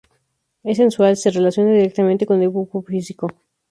Es sensual, se relaciona directamente con el cuerpo físico.